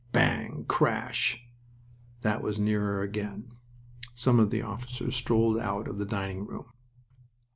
"Bang!... Crash!" That was nearer again. Some of the officers strolled out of the dining room.